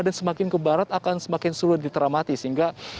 dan semakin ke barat akan semakin sulit ditramati sehingga